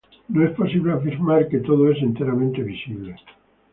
No es posible afirmar que todo es enteramente visible.